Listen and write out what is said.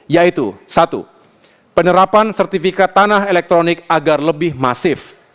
yaitu satu penerapan sertifikat tanah elektronik agar lebih masif